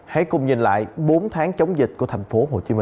hãy cùng nhìn lại bốn tháng chống dịch của tp hcm